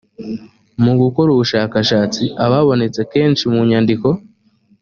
mu gukora ubushakashatsi ababonetse kenshi mu nyandiko